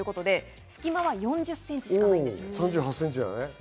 隙間は４０ｃｍしかないんです。